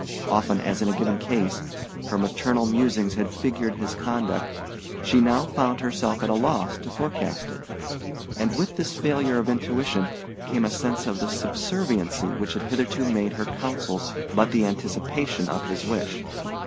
Often as in a given case, her maternal musings had figured his conduct, she now found herself at a loss to forecast it; and with this failure of intuition came a sense of the subserviency which had hitherto made her counsels but the anticipation of his wish.